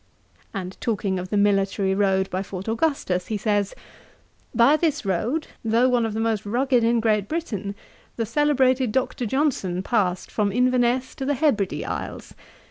And talking of the military road by Fort Augustus, he says, 'By this road, though one of the most rugged in Great Britain, the celebrated Dr. Johnson passed from Inverness to the Hebride Isles.